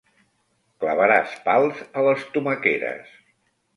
Clavaràs pals a les tomaqueres.